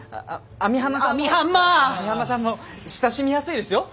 網浜さんも親しみやすいですよ。